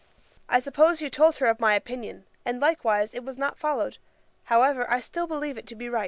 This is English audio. I suppose you told her of my opinion, and likewise suppose it was not followed; however, I still believe it to be right.